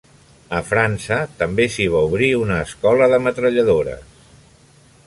A França també s'hi va obrir una escola de metralladores.